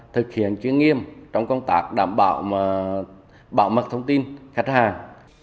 thực hiện chuyên nghiêm trong công tác đảm bảo bảo mật thông tin khách hàng